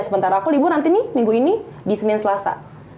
sementara aku libur nanti nih minggu ini di senin selasa